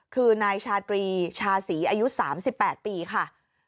คือนายชาดรีชาศรีอายุสามสิบแปดปีค่ะ